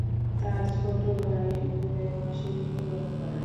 তার ছোট ভাই জুলাই মাসে মৃত্যুবরণ করে।